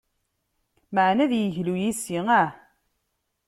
Meɛna ad yeglu yes-i ah!